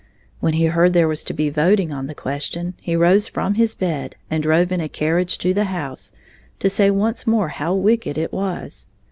When he heard there was to be voting on the question, he rose from his bed and drove in a carriage to the House to say once more how wicked it was.